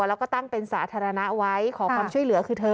แล้วก็ตั้งเป็นสาธารณะไว้ขอความช่วยเหลือคือเธอ